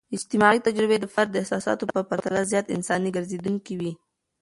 اجتماعي تجربې د فرد د احساساتو په پرتله زیات انساني ګرځیدونکي وي.